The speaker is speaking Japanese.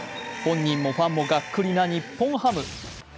本人もファンもがっくりな日本ハム。